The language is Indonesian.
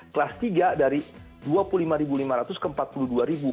kelas tiga dari rp dua puluh lima lima ratus ke empat puluh dua